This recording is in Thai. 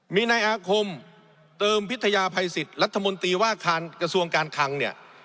มีนายอาคมเติมพิทยาภัยสิทธิ์รัฐมนตรีว่าการกระทรวงการคังเนี่ย